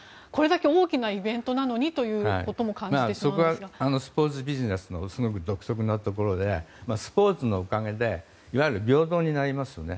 これだけ大きなイベントなのにということもそこはスポーツビジネスの独特なところでスポーツはすごく平等になりますよね。